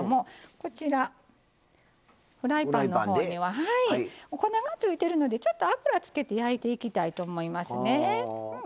こちらフライパンの方には粉がついてるのでちょっと油つけて焼いていきたいと思いますね。